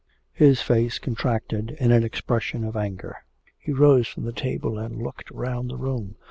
His face contracted in an expression of anger. He rose from the table, and looked round the room.